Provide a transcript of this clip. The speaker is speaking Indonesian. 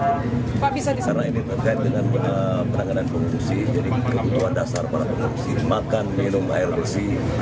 karena ini terkait dengan penanganan pengungsi jadi kebutuhan dasar para pengungsi makan minum air bersih